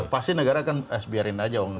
pasti negara kan biarin aja